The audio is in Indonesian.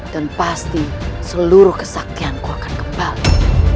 pasti seluruh kesaktianku akan kembali